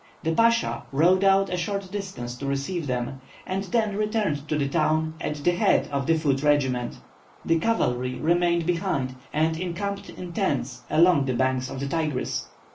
The Pasha rode out a short distance to receive them, and then returned to the town at the head of the foot regiments. The cavalry remained behind, and encamped in tents along the banks of the Tigris.